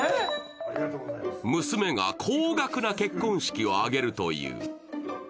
娘が高額な結婚式を挙げるという。